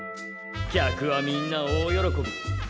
客はみんな大喜び。